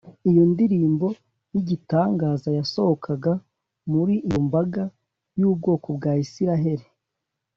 iyo ndirimbo y’igitangaza yasohokaga muri iyo mbaga y’ubwoko bw’abisiraheli